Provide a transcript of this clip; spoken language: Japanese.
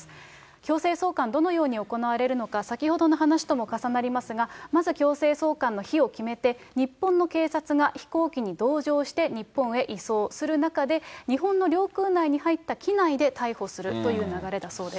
強制送還、どのように行われるのか、先ほどの話とも重なりますが、まず強制送還の日を決めて、日本の警察が飛行機に同乗して日本へ移送する中で、日本の領空内に入った機内で逮捕するという流れだそうです。